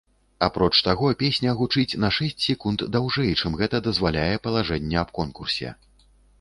Апроч таго, песня гучыць на шэсць секунд даўжэй, чым гэта дазваляе палажэнне аб конкурсе.